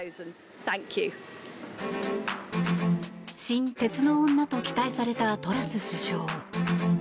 新・鉄の女と期待されたトラス首相。